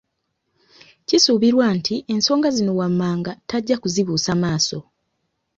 Kisuubirwa nti ensonga zino wammanga tajja kuzibuusa maaso